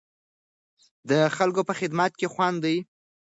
د خلکو په خدمت کې خوند دی.